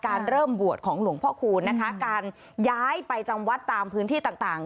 เริ่มบวชของหลวงพ่อคูณนะคะการย้ายไปจำวัดตามพื้นที่ต่างต่าง